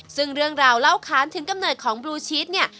ซึ่งเรื่องราวเล่าค้านถึงกำเนิดของบลูชีสเนี่ย